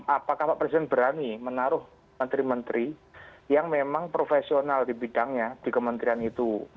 apakah pak presiden berani menaruh menteri menteri yang memang profesional di bidangnya di kementerian itu